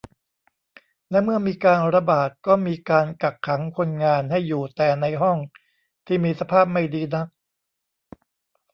และเมื่อมีการระบาดก็มีการกักขังคนงานให้อยู่แต่ในห้องที่มีสภาพไม่ดีนัก